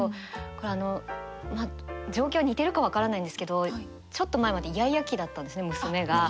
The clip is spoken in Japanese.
これあの状況似てるか分からないんですけどちょっと前までイヤイヤ期だったんですね娘が。